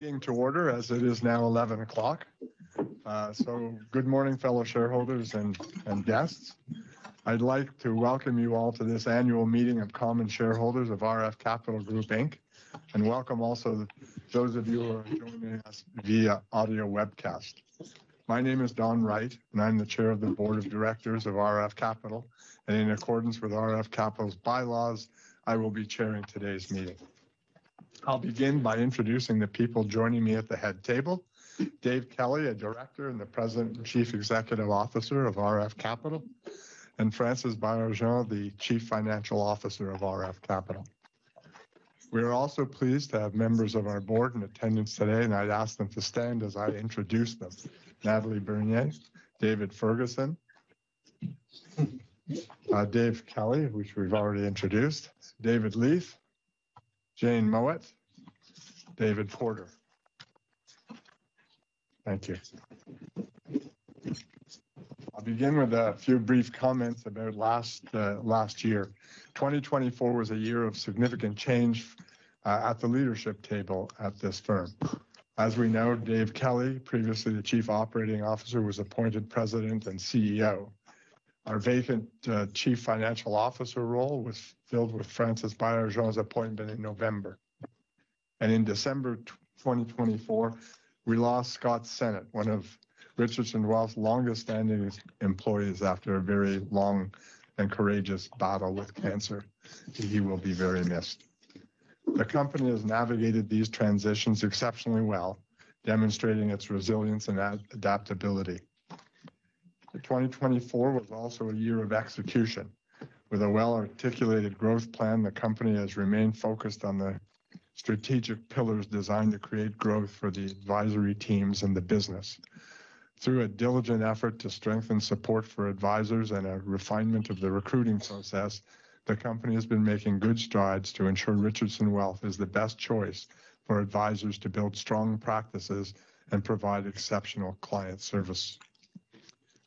Being to order as it is now 11:00 A.M. Good morning, fellow shareholders and guests. I'd like to welcome you all to this annual meeting of common shareholders of RF Capital Group Inc.. Welcome also those of you who are joining us via audio webcast. My name is Don Wright, and I'm the chair of the board of directors of RF Capital. In accordance with RF Capital's bylaws, I will be chairing today's meeting. I'll begin by introducing the people joining me at the head table: Dave Kelly, a director and the President and Chief Executive Officer of RF Capital, and Francis Baillargeon, the Chief Financial Officer of RF Capital. We are also pleased to have members of our board in attendance today, and I'd ask them to stand as I introduce them: Nathalie Bernier, David Ferguson, Dave Kelly, which we've already introduced, David Leith, Jane Mowat, David Porter. Thank you. I'll begin with a few brief comments about last year. 2024 was a year of significant change at the leadership table at this firm. As we know, Dave Kelly, previously the Chief Operating Officer, was appointed President and CEO. Our vacant Chief Financial Officer role was filled with Francis Baillargeon's appointment in November. In December 2024, we lost Scott Stennett, one of Richardson Wealth's longest-standing employees after a very long and courageous battle with cancer. He will be very missed. The company has navigated these transitions exceptionally well, demonstrating its resilience and adaptability. 2024 was also a year of execution. With a well-articulated growth plan, the company has remained focused on the strategic pillars designed to create growth for the advisory teams and the business. Through a diligent effort to strengthen support for advisors and a refinement of the recruiting process, the company has been making good strides to ensure Richardson Wealth is the best choice for advisors to build strong practices and provide exceptional client service.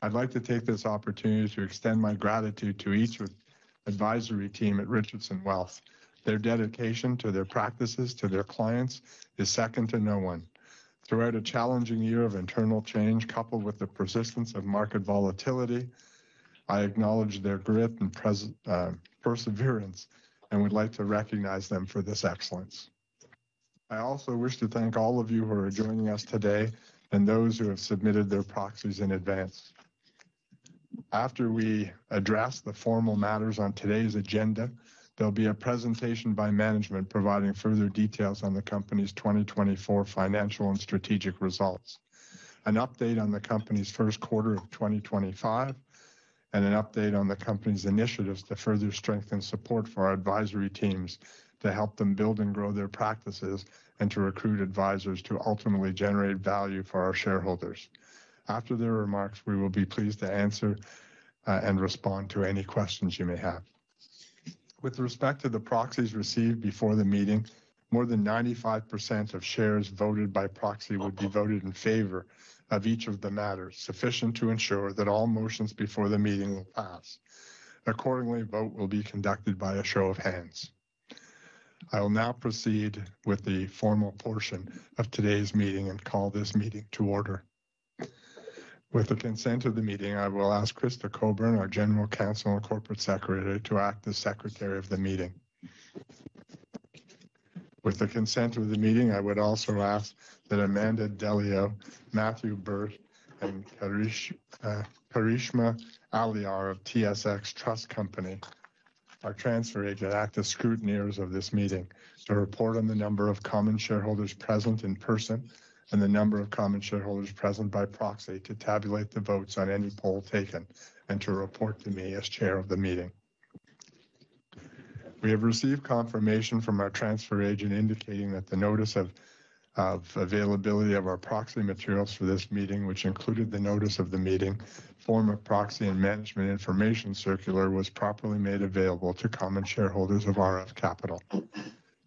I'd like to take this opportunity to extend my gratitude to each advisory team at Richardson Wealth. Their dedication to their practices to their clients is second to no one. Throughout a challenging year of internal change, coupled with the persistence of market volatility, I acknowledge their grit and perseverance and would like to recognize them for this excellence. I also wish to thank all of you who are joining us today and those who have submitted their proxies in advance. After we address the formal matters on today's agenda, there'll be a presentation by management providing further details on the company's 2024 financial and strategic results, an update on the company's first quarter of 2025, and an update on the company's initiatives to further strengthen support for our advisory teams to help them build and grow their practices and to recruit advisors to ultimately generate value for our shareholders. After their remarks, we will be pleased to answer and respond to any questions you may have. With respect to the proxies received before the meeting, more than 95% of shares voted by proxy will be voted in favor of each of the matters, sufficient to ensure that all motions before the meeting will pass. Accordingly, vote will be conducted by a show of hands. I will now proceed with the formal portion of today's meeting and call this meeting to order. With the consent of the meeting, I will ask Krista Coburn, our General Counsel and Corporate Secretary, to act as Secretary of the meeting. With the consent of the meeting, I would also ask that Amanda D'Elia, Matthew Burt, and Kareeshma Aliar of TSX Trust Company, our transfer agent, act as scrutineers of this meeting to report on the number of common shareholders present in person and the number of common shareholders present by proxy to tabulate the votes on any poll taken and to report to me as Chair of the meeting. We have received confirmation from our transfer agent indicating that the notice of availability of our proxy materials for this meeting, which included the notice of the meeting, form of proxy, and management information circular was properly made available to common shareholders of RF Capital.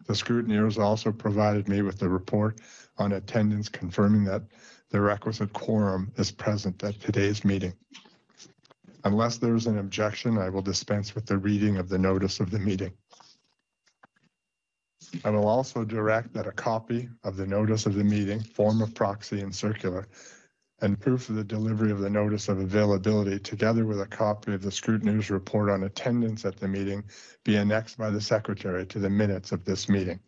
The scrutineers also provided me with the report on attendance confirming that the requisite quorum is present at today's meeting. Unless there is an objection, I will dispense with the reading of the notice of the meeting. I will also direct that a copy of the notice of the meeting, form of proxy and circular, and proof of the delivery of the notice of availability, together with a copy of the scrutineers' report on attendance at the meeting, be annexed by the secretary to the minutes of this meeting.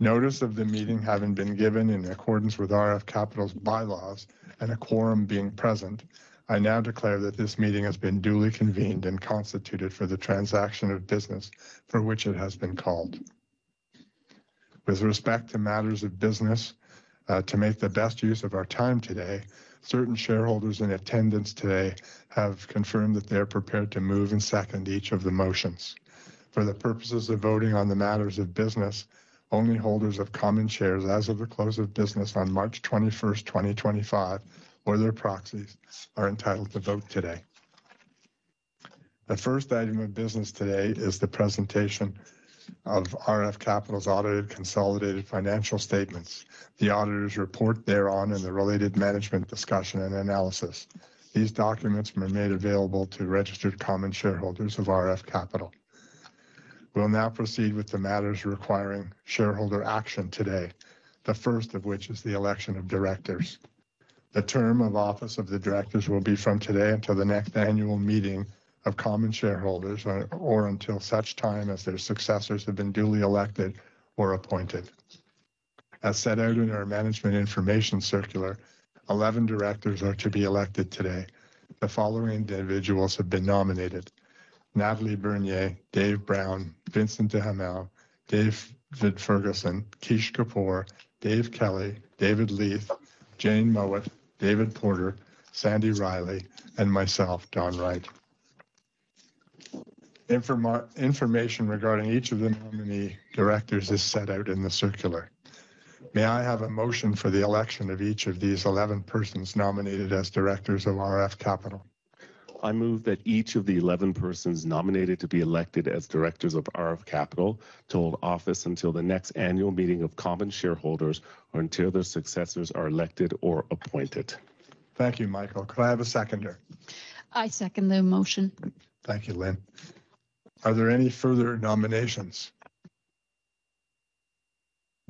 Notice of the meeting having been given in accordance with RF Capital's bylaws and a quorum being present, I now declare that this meeting has been duly convened and constituted for the transaction of business for which it has been called. With respect to matters of business, to make the best use of our time today, certain shareholders in attendance today have confirmed that they are prepared to move and second each of the motions. For the purposes of voting on the matters of business, only holders of common shares as of the close of business on March 21, 2025, or their proxies are entitled to vote today. The first item of business today is the presentation of RF Capital's audited consolidated financial statements, the auditor's report thereon, and the related management discussion and analysis. These documents were made available to registered common shareholders of RF Capital. We'll now proceed with the matters requiring shareholder action today, the first of which is the election of directors. The term of office of the directors will be from today until the next annual meeting of common shareholders or until such time as their successors have been duly elected or appointed. As set out in our management information circular, 11 directors are to be elected today. The following individuals have been nominated: Nathalie Bernier, Dave Brown, Vincent Duhamel, David Ferguson, Kish Kapoor, Dave Kelly, David Leith, Jane Mowat, David Porter, Sandy Riley, and myself, Don Wright. Information regarding each of the nominee directors is set out in the circular. May I have a motion for the election of each of these 11 persons nominated as directors of RF Capital? I move that each of the 11 persons nominated to be elected as directors of RF Capital to hold office until the next annual meeting of common shareholders or until their successors are elected or appointed. Thank you, Michael. Could I have a seconder? I second the motion. Thank you, Lynne. Are there any further nominations?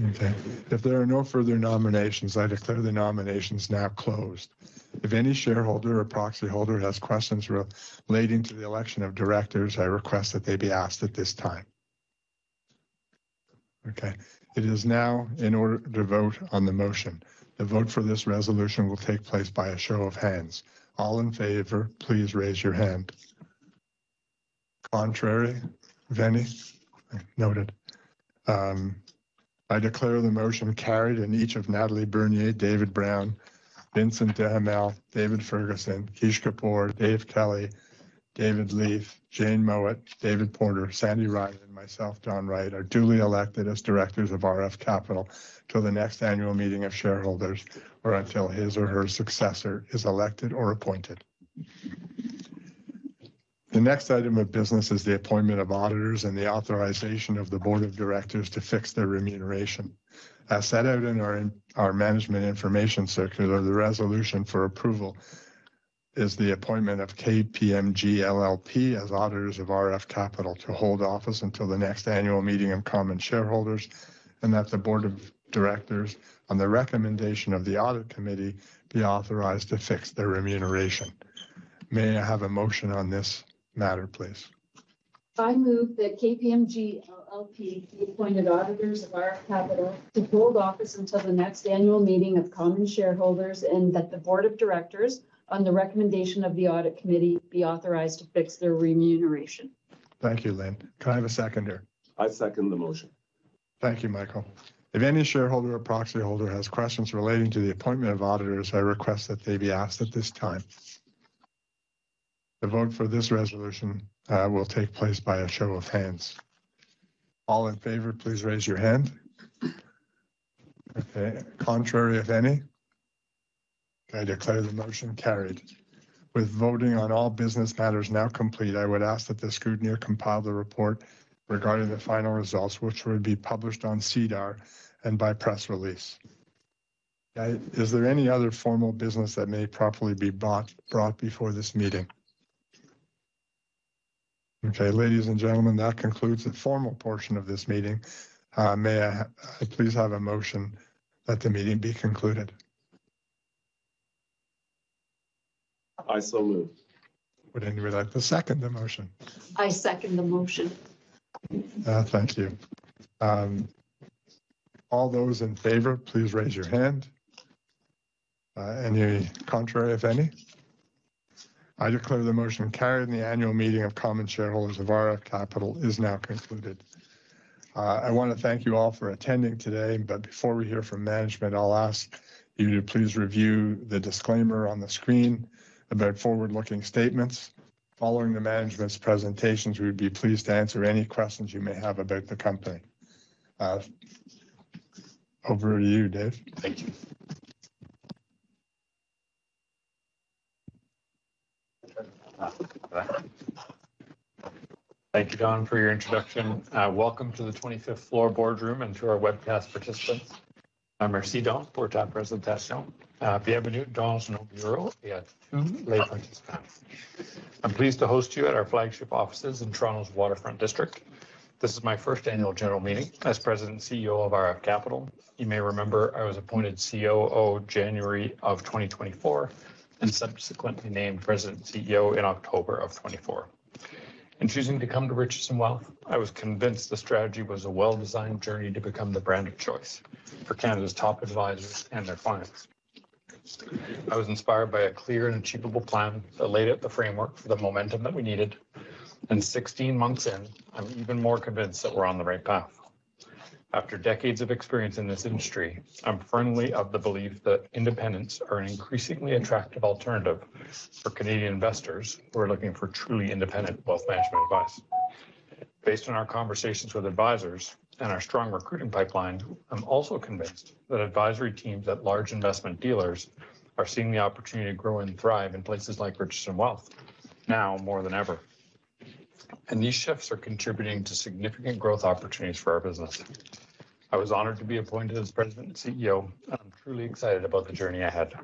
Okay. If there are no further nominations, I declare the nominations now closed. If any shareholder or proxy holder has questions relating to the election of directors, I request that they be asked at this time. Okay. It is now in order to vote on the motion. The vote for this resolution will take place by a show of hands. All in favor, please raise your hand. Contrary? Any? Noted. I declare the motion carried and each of Nathalie Bernier, Dave Brown, Vincent Duhamel, David Ferguson, Kish Kapoor, Dave Kelly, David Leith, Jane Mowat, David Porter, Sandy Riley, and myself, Don Wright, are duly elected as directors of RF Capital Group until the next annual meeting of shareholders or until his or her successor is elected or appointed. The next item of business is the appointment of auditors and the authorization of the board of directors to fix their remuneration. As set out in our management information circular, the resolution for approval is the appointment of KPMG LLP as auditors of RF Capital to hold office until the next annual meeting of common shareholders and that the board of directors, on the recommendation of the audit committee, be authorized to fix their remuneration. May I have a motion on this matter, please? I move that KPMG LLP be appointed auditors of RF Capital to hold office until the next annual meeting of common shareholders and that the board of directors, on the recommendation of the audit committee, be authorized to fix their remuneration. Thank you, Lynne. Can I have a seconder? I second the motion. Thank you, Michael. If any shareholder or proxy holder has questions relating to the appointment of auditors, I request that they be asked at this time. The vote for this resolution will take place by a show of hands. All in favor, please raise your hand. Okay. Contrary, if any? I declare the motion carried. With voting on all business matters now complete, I would ask that the scrutineer compile the report regarding the final results, which will be published on SEDAR and by press release. Is there any other formal business that may properly be brought before this meeting? Okay. Ladies and gentlemen, that concludes the formal portion of this meeting. May I please have a motion that the meeting be concluded? I so move. Would anybody like to second the motion? I second the motion. Thank you. All those in favor, please raise your hand. Any contrary, if any? I declare the motion carried and the annual meeting of common shareholders of RF Capital is now concluded. I want to thank you all for attending today, but before we hear from management, I'll ask you to please review the disclaimer on the screen about forward-looking statements. Following the management's presentations, we would be pleased to answer any questions you may have about the company. Over to you, Dave. Thank you. Thank you, Don, for your introduction. Welcome to the 25th floor boardroom and to our webcast participants. I'm Mercedo for Tab Presentation. If you have a new Donald Snow Bureau, we have two late participants. I'm pleased to host you at our flagship offices in Toronto's Waterfront District. This is my first annual general meeting as President and CEO of RF Capital. You may remember I was appointed COO January of 2024 and subsequently named President and CEO in October of 2024. In choosing to come to Richardson Wealth, I was convinced the strategy was a well-designed journey to become the brand of choice for Canada's top advisors and their clients. I was inspired by a clear and achievable plan that laid out the framework for the momentum that we needed, and 16 months in, I'm even more convinced that we're on the right path. After decades of experience in this industry, I'm firmly of the belief that independents are an increasingly attractive alternative for Canadian investors who are looking for truly independent wealth management advice. Based on our conversations with advisors and our strong recruiting pipeline, I'm also convinced that advisory teams at large investment dealers are seeing the opportunity to grow and thrive in places like Richardson Wealth now more than ever. These shifts are contributing to significant growth opportunities for our business. I was honored to be appointed as President and CEO, and I'm truly excited about the journey ahead.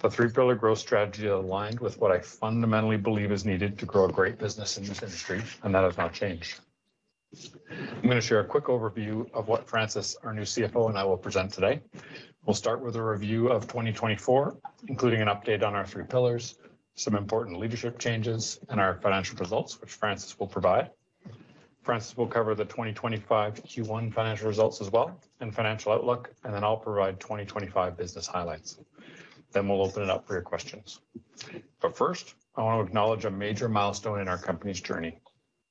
The three-pillar growth strategy aligned with what I fundamentally believe is needed to grow a great business in this industry, and that has not changed. I'm going to share a quick overview of what Francis, our new CFO, and I will present today. We'll start with a review of 2024, including an update on our three pillars, some important leadership changes, and our financial results, which Francis will provide. Francis will cover the 2025 Q1 financial results as well and financial outlook, and then I'll provide 2025 business highlights. We will open it up for your questions. First, I want to acknowledge a major milestone in our company's journey.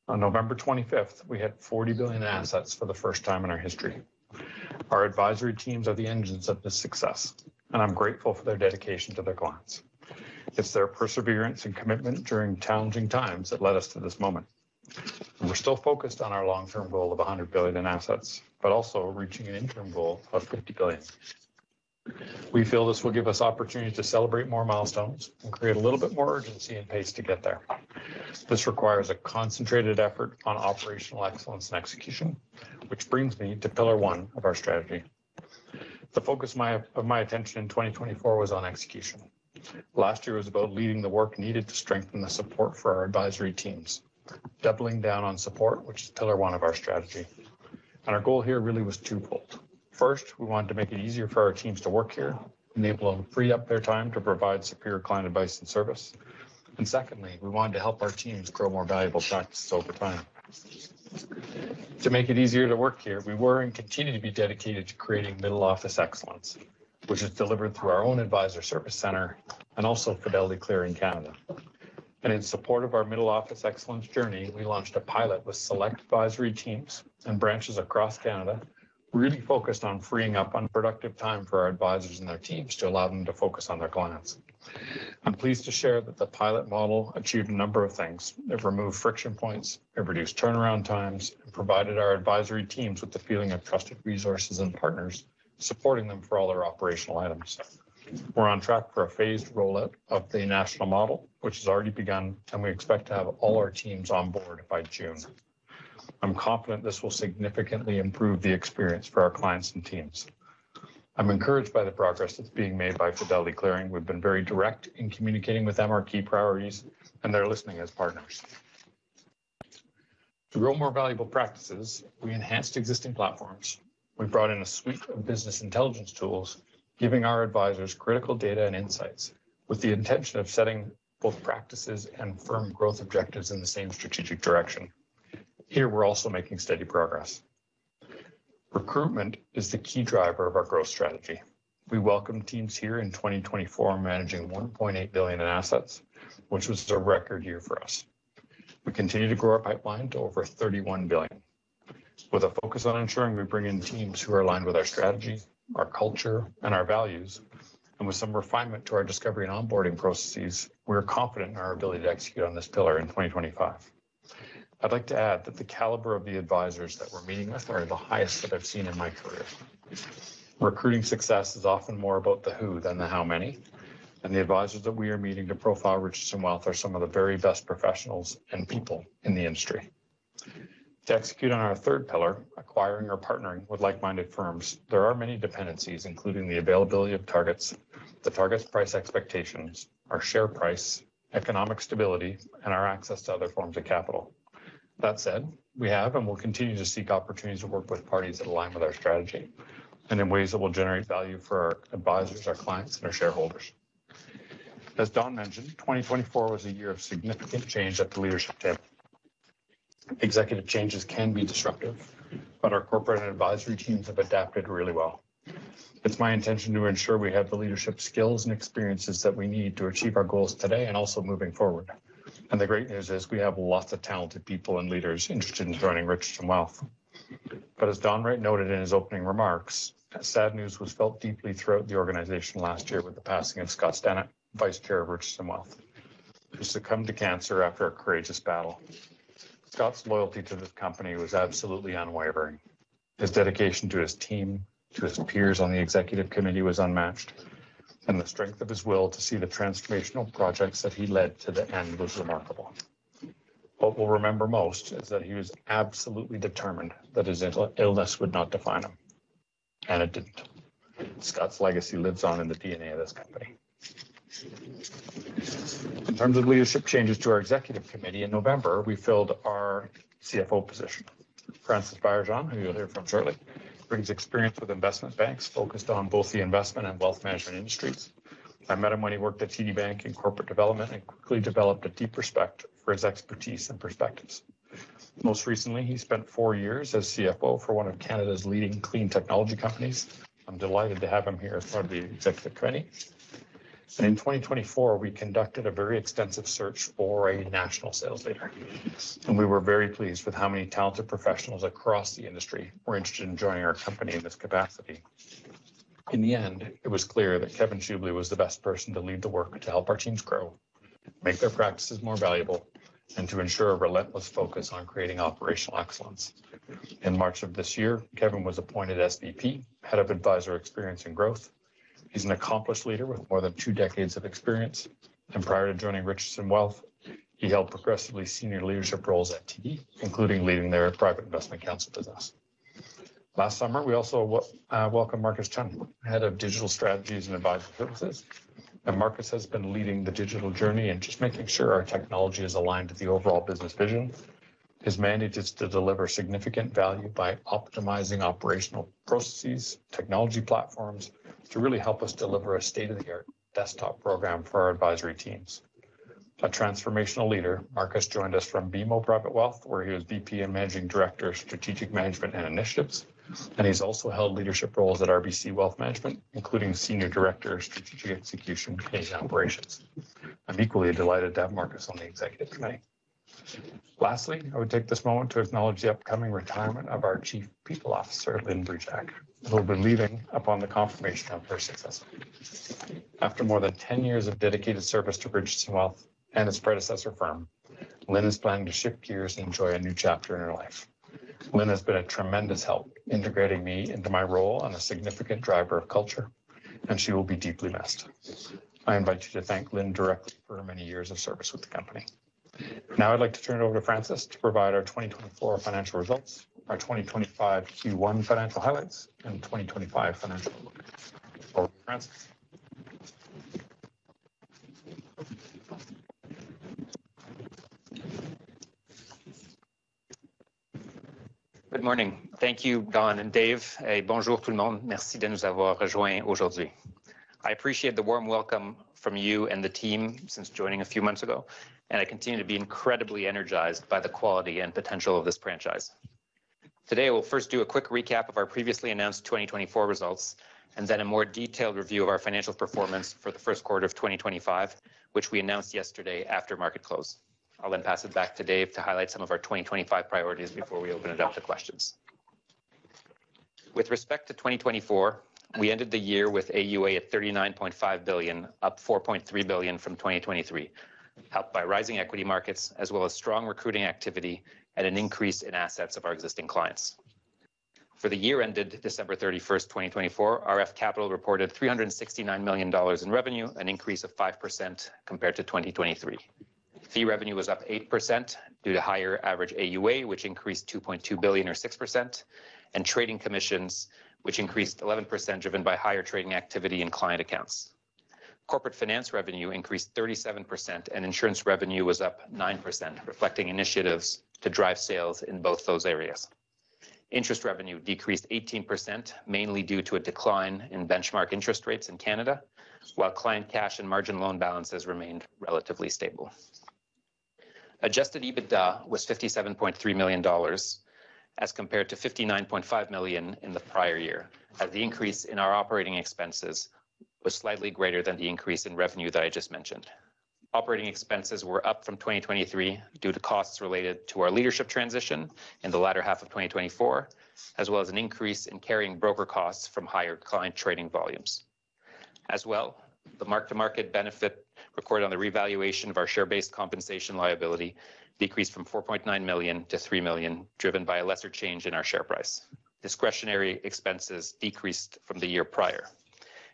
On November 25th, we hit 40 billion in assets for the first time in our history. Our advisory teams are the engines of this success, and I'm grateful for their dedication to their clients. It's their perseverance and commitment during challenging times that led us to this moment. We are still focused on our long-term goal of 100 billion in assets, but also reaching an interim goal of 50 billion. We feel this will give us opportunities to celebrate more milestones and create a little bit more urgency and pace to get there. This requires a concentrated effort on operational excellence and execution, which brings me to pillar one of our strategy. The focus of my attention in 2024 was on execution. Last year was about leading the work needed to strengthen the support for our advisory teams, doubling down on support, which is pillar one of our strategy. Our goal here really was twofold. First, we wanted to make it easier for our teams to work here, enable them to free up their time to provide superior client advice and service. Secondly, we wanted to help our teams grow more valuable practices over time. To make it easier to work here, we were and continue to be dedicated to creating middle office excellence, which is delivered through our own advisor service center and also Fidelity Clearing Canada. In support of our middle office excellence journey, we launched a pilot with select advisory teams and branches across Canada, really focused on freeing up unproductive time for our advisors and their teams to allow them to focus on their clients. I'm pleased to share that the pilot model achieved a number of things. It removed friction points. It reduced turnaround times and provided our advisory teams with the feeling of trusted resources and partners supporting them for all their operational items. We're on track for a phased rollout of the national model, which has already begun, and we expect to have all our teams on board by June. I'm confident this will significantly improve the experience for our clients and teams. I'm encouraged by the progress that's being made by Fidelity Clearing. We've been very direct in communicating with them our key priorities and they're listening as partners. To grow more valuable practices, we enhanced existing platforms. We brought in a suite of business intelligence tools, giving our advisors critical data and insights with the intention of setting both practices and firm growth objectives in the same strategic direction. Here, we're also making steady progress. Recruitment is the key driver of our growth strategy. We welcomed teams here in 2024, managing 1.8 billion in assets, which was a record year for us. We continue to grow our pipeline to over 31 billion. With a focus on ensuring we bring in teams who are aligned with our strategy, our culture, and our values, and with some refinement to our discovery and onboarding processes, we are confident in our ability to execute on this pillar in 2025. I'd like to add that the caliber of the advisors that were meeting us are the highest that I've seen in my career. Recruiting success is often more about the who than the how many, and the advisors that we are meeting to profile Richardson Wealth are some of the very best professionals and people in the industry. To execute on our third pillar, acquiring or partnering with like-minded firms, there are many dependencies, including the availability of targets, the target's price expectations, our share price, economic stability, and our access to other forms of capital. That said, we have and will continue to seek opportunities to work with parties that align with our strategy and in ways that will generate value for our advisors, our clients, and our shareholders. As Don mentioned, 2024 was a year of significant change at the leadership table. Executive changes can be disruptive, but our corporate and advisory teams have adapted really well. It is my intention to ensure we have the leadership skills and experiences that we need to achieve our goals today and also moving forward. The great news is we have lots of talented people and leaders interested in joining Richardson Wealth. As Don Wright noted in his opening remarks, sad news was felt deeply throughout the organization last year with the passing of Scott Sennett, Vice Chair of Richardson Wealth, who succumbed to cancer after a courageous battle. Scott's loyalty to this company was absolutely unwavering. His dedication to his team, to his peers on the executive committee, was unmatched, and the strength of his will to see the transformational projects that he led to the end was remarkable. What we'll remember most is that he was absolutely determined that his illness would not define him, and it didn't. Scott's legacy lives on in the DNA of this company. In terms of leadership changes to our executive committee, in November, we filled our CFO position. Francis Baillargeon, who you'll hear from shortly, brings experience with investment banks focused on both the investment and wealth management industries. I met him when he worked at Citibank in corporate development and quickly developed a deep respect for his expertise and perspectives. Most recently, he spent four years as CFO for one of Canada's leading clean technology companies. I'm delighted to have him here as part of the executive committee. In 2024, we conducted a very extensive search for a national sales leader. We were very pleased with how many talented professionals across the industry were interested in joining our company in this capacity. In the end, it was clear that Kevin Shubley was the best person to lead the work to help our teams grow, make their practices more valuable, and to ensure a relentless focus on creating operational excellence. In March of this year, Kevin was appointed SVP, Head of Advisor Experience and Growth. He's an accomplished leader with more than two decades of experience. Prior to joining Richardson Wealth, he held progressively senior leadership roles at TD, including leading their private investment council business. Last summer, we also welcomed Marc-André Chen, Head of Digital Strategies and Advisory Services. Marcus has been leading the digital journey and just making sure our technology is aligned to the overall business vision. His mandate is to deliver significant value by optimizing operational processes, technology platforms to really help us deliver a state-of-the-art desktop program for our advisory teams. A transformational leader, Marcus joined us from BMO Private Wealth, where he was VP and Managing Director of Strategic Management and Initiatives. He has also held leadership roles at RBC Wealth Management, including Senior Director of Strategic Execution and Operations. I'm equally delighted to have Marcus on the executive committee. Lastly, I would take this moment to acknowledge the upcoming retirement of our Chief People Officer, Lynne Brejak, who will be leaving upon the confirmation of her successor. After more than 10 years of dedicated service to Richardson Wealth and its predecessor firm, Lynne is planning to shift gears and enjoy a new chapter in her life. Lynne has been a tremendous help integrating me into my role and a significant driver of culture, and she will be deeply missed. I invite you to thank Lynne directly for her many years of service with the company. Now I'd like to turn it over to Francis to provide our 2024 financial results, our 2025 Q1 financial highlights, and 2025 financial outlook. Over to Francis. Good morning. Thank you, Don and Dave. Et bonjour tout le monde. Merci de nous avoir rejoints aujourd'hui. I appreciate the warm welcome from you and the team since joining a few months ago, and I continue to be incredibly energized by the quality and potential of this franchise. Today, we'll first do a quick recap of our previously announced 2024 results and then a more detailed review of our financial performance for the first quarter of 2025, which we announced yesterday after market close. I'll then pass it back to Dave to highlight some of our 2025 priorities before we open it up to questions. With respect to 2024, we ended the year with AUA at 39.5 billion, up 4.3 billion from 2023, helped by rising equity markets as well as strong recruiting activity and an increase in assets of our existing clients. For the year ended December 31, 2024, RF Capital reported 369 million dollars in revenue, an increase of 5% compared to 2023. Fee revenue was up 8% due to higher average AUA, which increased 2.2 billion or 6%, and trading commissions, which increased 11% driven by higher trading activity and client accounts. Corporate finance revenue increased 37%, and insurance revenue was up 9%, reflecting initiatives to drive sales in both those areas. Interest revenue decreased 18%, mainly due to a decline in benchmark interest rates in Canada, while client cash and margin loan balances remained relatively stable. Adjusted EBITDA was 57.3 million dollars as compared to 59.5 million in the prior year, as the increase in our operating expenses was slightly greater than the increase in revenue that I just mentioned. Operating expenses were up from 2023 due to costs related to our leadership transition in the latter half of 2024, as well as an increase in carrying broker costs from higher client trading volumes. As well, the mark-to-market benefit recorded on the revaluation of our share-based compensation liability decreased from 4.9 million - 3 million, driven by a lesser change in our share price. Discretionary expenses decreased from the year prior.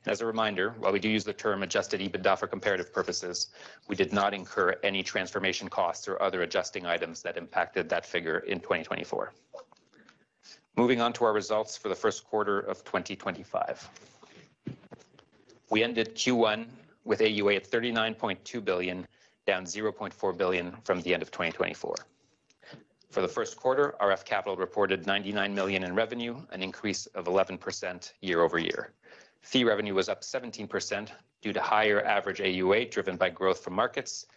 As a reminder, while we do use the term adjusted EBITDA for comparative purposes, we did not incur any transformation costs or other adjusting items that impacted that figure in 2024. Moving on to our results for the first quarter of 2025. We ended Q1 with AUA at 39.2 billion, down 0.4 billion from the end of 2024. For the first quarter, RF Capital reported 99 million in revenue, an increase of 11% year over year. Fee revenue was up 17% due to higher average AUA driven by growth from markets,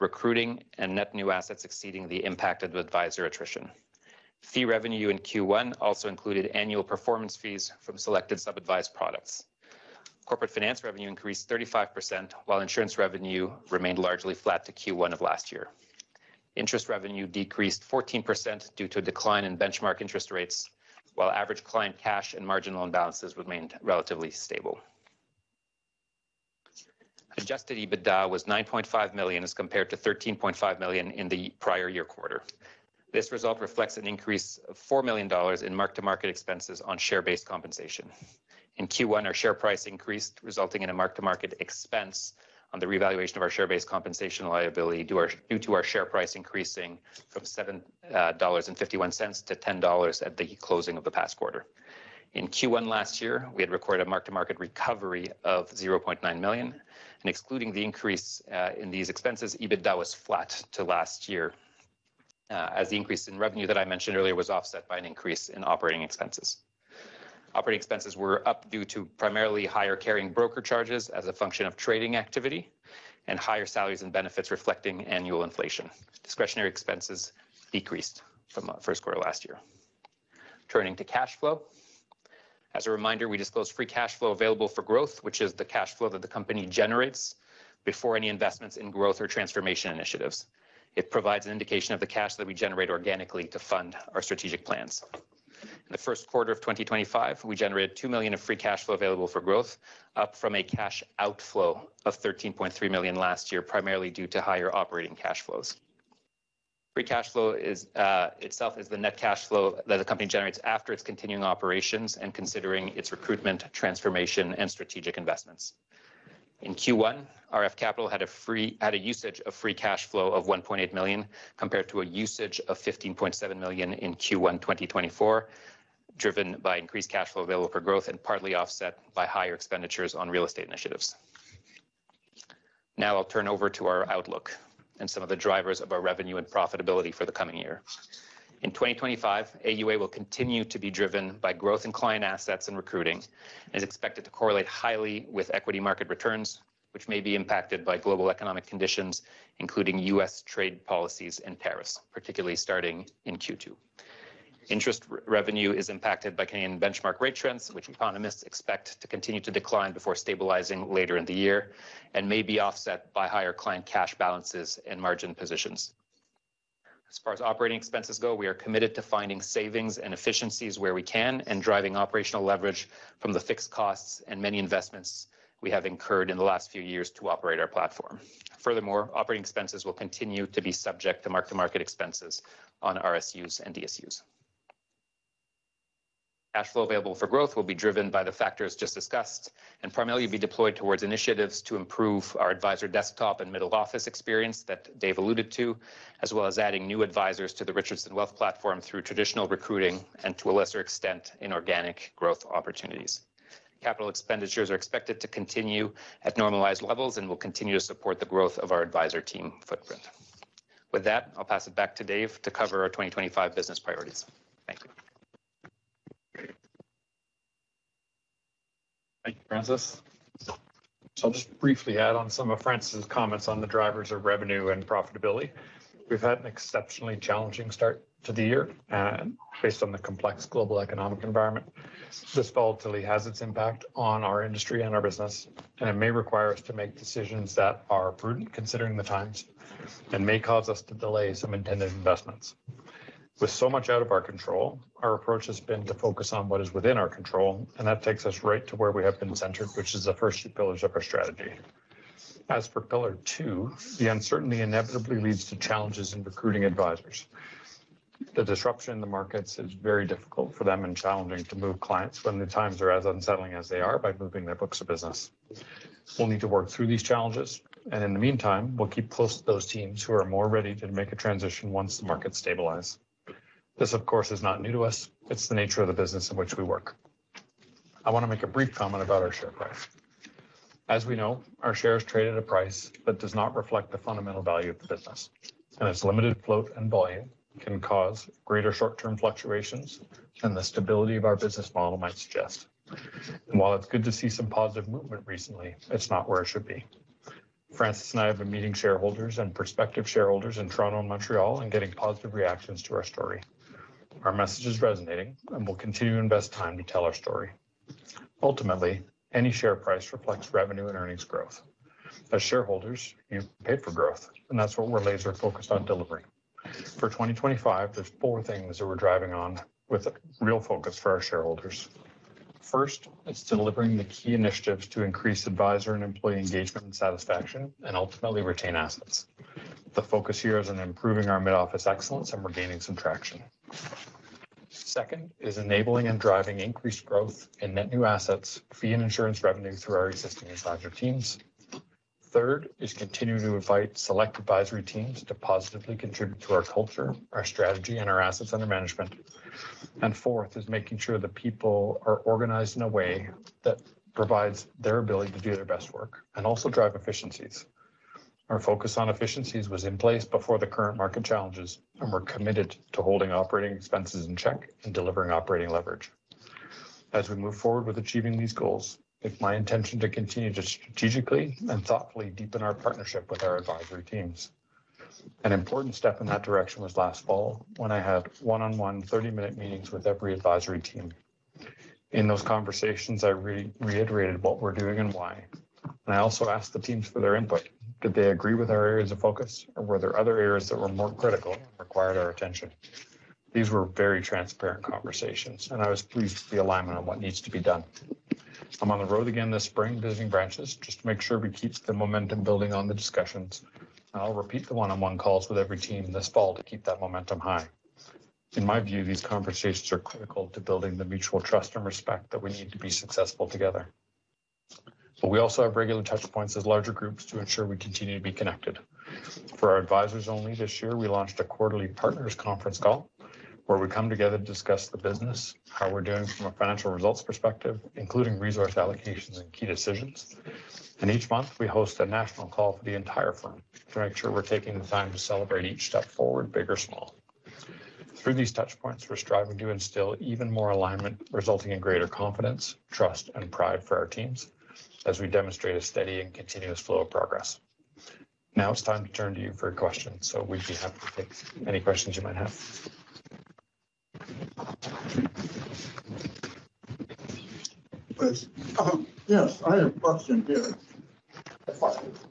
recruiting, and net new assets exceeding the impact of advisor attrition. Fee revenue in Q1 also included annual performance fees from selected sub-advised products. Corporate finance revenue increased 35%, while insurance revenue remained largely flat to Q1 of last year. Interest revenue decreased 14% due to a decline in benchmark interest rates, while average client cash and margin loan balances remained relatively stable. Adjusted EBITDA was 9.5 million as compared to 13.5 million in the prior year quarter. This result reflects an increase of 4 million dollars in mark-to-market expenses on share-based compensation. In Q1, our share price increased, resulting in a mark-to-market expense on the revaluation of our share-based compensation liability due to our share price increasing from 7.51 dollars - 10 dollars at the closing of the past quarter. In Q1 last year, we had recorded a mark-to-market recovery of 0.9 million. Excluding the increase in these expenses, EBITDA was flat to last year, as the increase in revenue that I mentioned earlier was offset by an increase in operating expenses. Operating expenses were up due to primarily higher carrying broker charges as a function of trading activity and higher salaries and benefits reflecting annual inflation. Discretionary expenses decreased from the first quarter last year. Turning to cash flow. As a reminder, we disclose free cash flow available for growth, which is the cash flow that the company generates before any investments in growth or transformation initiatives. It provides an indication of the cash that we generate organically to fund our strategic plans. In the first quarter of 2025, we generated 2 million of free cash flow available for growth, up from a cash outflow of 13.3 million last year, primarily due to higher operating cash flows. Free cash flow itself is the net cash flow that the company generates after its continuing operations and considering its recruitment, transformation, and strategic investments. In Q1, RF Capital had a usage of free cash flow of 1.8 million compared to a usage of 15.7 million in Q1 2024, driven by increased cash flow available for growth and partly offset by higher expenditures on real estate initiatives. Now I'll turn over to our outlook and some of the drivers of our revenue and profitability for the coming year. In 2025, AUA will continue to be driven by growth in client assets and recruiting, and is expected to correlate highly with equity market returns, which may be impacted by global economic conditions, including U.S. trade policies and tariffs, particularly starting in Q2. Interest revenue is impacted by Canadian benchmark rate trends, which economists expect to continue to decline before stabilizing later in the year, and may be offset by higher client cash balances and margin positions. As far as operating expenses go, we are committed to finding savings and efficiencies where we can and driving operational leverage from the fixed costs and many investments we have incurred in the last few years to operate our platform. Furthermore, operating expenses will continue to be subject to mark-to-market expenses on RSUs and DSUs. Cash flow available for growth will be driven by the factors just discussed and primarily be deployed towards initiatives to improve our advisor desktop and middle office experience that Dave alluded to, as well as adding new advisors to the Richardson Wealth platform through traditional recruiting and to a lesser extent in organic growth opportunities. Capital expenditures are expected to continue at normalized levels and will continue to support the growth of our advisor team footprint. With that, I'll pass it back to Dave to cover our 2025 business priorities. Thank you. Thank you, Francis. I'll just briefly add on some of Francis's comments on the drivers of revenue and profitability. We've had an exceptionally challenging start to the year based on the complex global economic environment. This volatility has its impact on our industry and our business, and it may require us to make decisions that are prudent considering the times and may cause us to delay some intended investments. With so much out of our control, our approach has been to focus on what is within our control, and that takes us right to where we have been centered, which is the first two pillars of our strategy. As for pillar two, the uncertainty inevitably leads to challenges in recruiting advisors. The disruption in the markets is very difficult for them and challenging to move clients when the times are as unsettling as they are by moving their books of business. We will need to work through these challenges, and in the meantime, we will keep close to those teams who are more ready to make a transition once the markets stabilize. This, of course, is not new to us. It is the nature of the business in which we work. I want to make a brief comment about our share price. As we know, our shares trade at a price that does not reflect the fundamental value of the business, and its limited float and volume can cause greater short-term fluctuations than the stability of our business model might suggest. While it is good to see some positive movement recently, it is not where it should be. Francis and I have been meeting shareholders and prospective shareholders in Toronto and Montreal and getting positive reactions to our story. Our message is resonating, and we will continue to invest time to tell our story. Ultimately, any share price reflects revenue and earnings growth. As shareholders, you pay for growth, and that is what we are laser-focused on delivering. For 2025, there are four things that we are driving on with real focus for our shareholders. First, it is delivering the key initiatives to increase advisor and employee engagement and satisfaction and ultimately retain assets. The focus here is on improving our mid-office excellence and regaining some traction. Second is enabling and driving increased growth in net new assets, fee, and insurance revenue through our existing advisor teams. Third is continuing to invite select advisory teams to positively contribute to our culture, our strategy, and our assets under management. Fourth is making sure the people are organized in a way that provides their ability to do their best work and also drive efficiencies. Our focus on efficiencies was in place before the current market challenges, and we're committed to holding operating expenses in check and delivering operating leverage. As we move forward with achieving these goals, it's my intention to continue to strategically and thoughtfully deepen our partnership with our advisory teams. An important step in that direction was last fall when I had one-on-one 30-minute meetings with every advisory team. In those conversations, I reiterated what we're doing and why. I also asked the teams for their input. Did they agree with our areas of focus, or were there other areas that were more critical and required our attention? These were very transparent conversations, and I was pleased with the alignment on what needs to be done. I'm on the road again this spring visiting branches just to make sure we keep the momentum building on the discussions. I'll repeat the one-on-one calls with every team this fall to keep that momentum high. In my view, these conversations are critical to building the mutual trust and respect that we need to be successful together. We also have regular touchpoints as larger groups to ensure we continue to be connected. For our advisors only, this year, we launched a quarterly partners conference call where we come together to discuss the business, how we're doing from a financial results perspective, including resource allocations and key decisions. Each month, we host a national call for the entire firm to make sure we are taking the time to celebrate each step forward, big or small. Through these touchpoints, we are striving to instill even more alignment, resulting in greater confidence, trust, and pride for our teams as we demonstrate a steady and continuous flow of progress. Now it is time to turn to you for your questions, so we would be happy to take any questions you might have. Yes, I have questions here.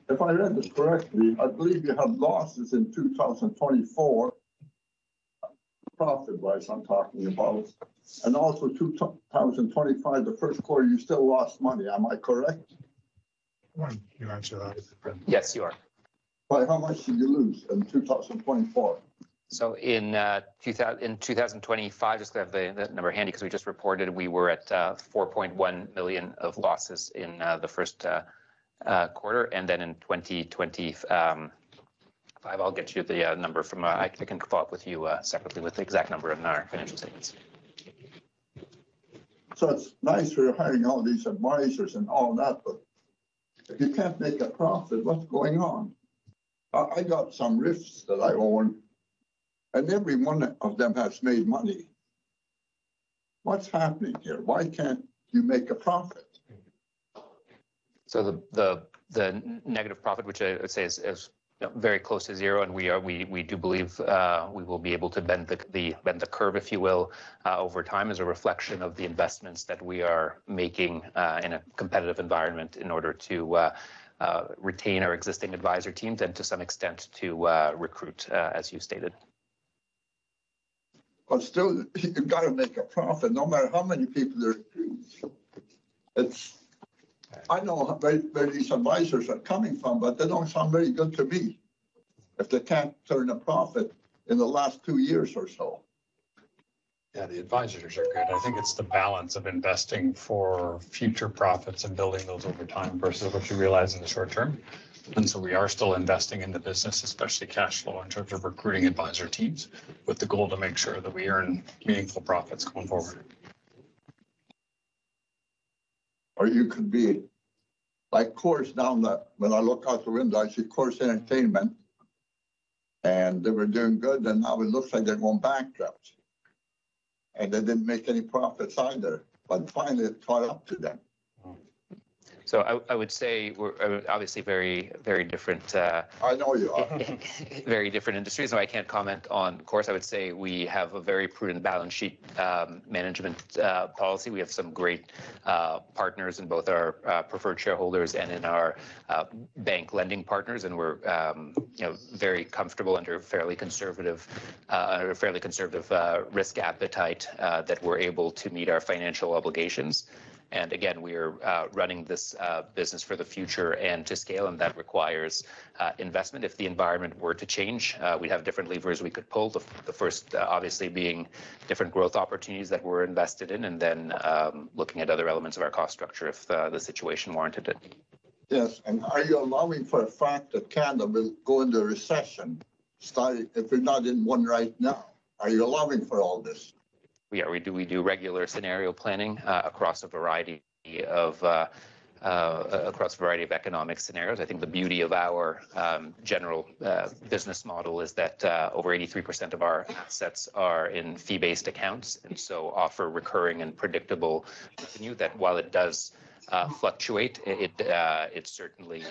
If I read this correctly, I believe you have losses in 2024, profit-wise I'm talking about, and also 2025, the first quarter, you still lost money. Am I correct? You answer that. Yes, you are. By how much did you lose in 2024? In 2025, just going to have the number handy because we just reported we were at 4.1 million of losses in the first quarter. In 2025, I'll get you the number from I can follow up with you separately with the exact number in our financial statements. It's nice for your hiring all these advisors and all that, but if you can't make a profit, what's going on? I got some RIFs that I own, and every one of them has made money. What's happening here? Why can't you make a profit? The negative profit, which I would say is very close to zero, and we do believe we will be able to bend the curve, if you will, over time as a reflection of the investments that we are making in a competitive environment in order to retain our existing advisor teams and to some extent to recruit, as you stated. Still, you've got to make a profit no matter how many people there are. I know where these advisors are coming from, but they don't sound very good to me if they can't turn a profit in the last two years or so. Yeah, the advisors are good. I think it's the balance of investing for future profits and building those over time versus what you realize in the short term. We are still investing in the business, especially cash flow, in terms of recruiting advisor teams with the goal to make sure that we earn meaningful profits going forward. You could be like Corus down there. When I look out the window, I see Corus Entertainment, and they were doing good, and now it looks like they're going bankrupt. They didn't make any profits either, but finally, it caught up to them. I would say we're obviously very, very different. I know you are. Very different industries, so I can't comment on Corus. I would say we have a very prudent balance sheet management policy. We have some great partners in both our preferred shareholders and in our bank lending partners, and we're very comfortable under a fairly conservative risk appetite that we're able to meet our financial obligations. We are running this business for the future and to scale, and that requires investment. If the environment were to change, we'd have different levers we could pull, the first obviously being different growth opportunities that we're invested in and then looking at other elements of our cost structure if the situation warranted it. Yes. Are you allowing for a fact that Canada will go into a recession if we're not in one right now? Are you allowing for all this? We do regular scenario planning across a variety of economic scenarios. I think the beauty of our general business model is that over 83% of our assets are in fee-based accounts, and so offer recurring and predictable revenue that, while it does fluctuate, it certainly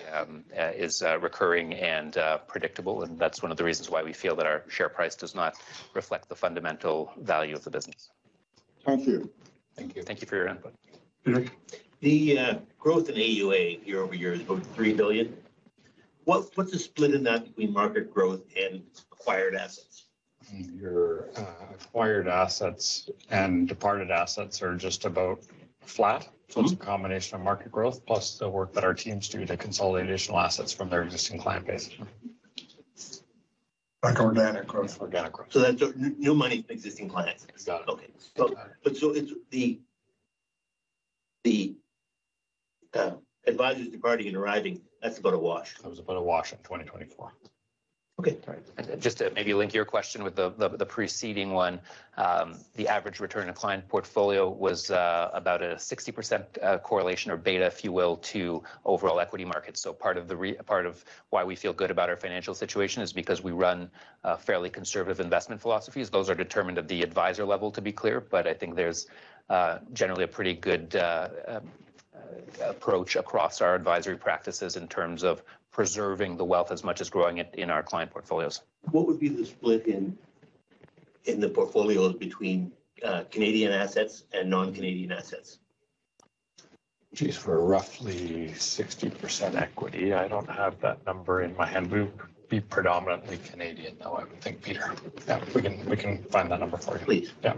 is recurring and predictable. That is one of the reasons why we feel that our share price does not reflect the fundamental value of the business. Thank you. Thank you. Thank you for your input. The growth in AUA year over year is about 3 billion. What's the split in that between market growth and acquired assets? Your acquired assets and departed assets are just about flat. It is a combination of market growth plus the work that our teams do to consolidate additional assets from their existing client base. Like organic growth. Organic growth. That's new money from existing clients. Got it. Okay. The advisors departing and arriving, that's about a wash. That was about a wash in 2024. Okay. Just to maybe link your question with the preceding one, the average return of client portfolio was about a 60% correlation or beta, if you will, to overall equity markets. Part of why we feel good about our financial situation is because we run fairly conservative investment philosophies. Those are determined at the advisor level, to be clear, but I think there is generally a pretty good approach across our advisory practices in terms of preserving the wealth as much as growing it in our client portfolios. What would be the split in the portfolios between Canadian assets and non-Canadian assets? Jeez, we're roughly 60% equity. I don't have that number in my hand. We'd be predominantly Canadian, though, I would think, Peter. Yeah, we can find that number for you. Please. Yeah.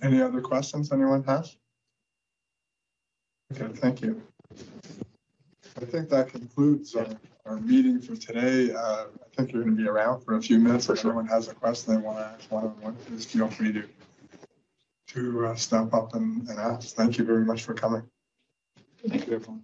Any other questions anyone has? Okay. Thank you. I think that concludes our meeting for today. I think you're going to be around for a few minutes. If anyone has a question they want to ask one-on-one, please feel free to step up and ask. Thank you very much for coming. Thank you.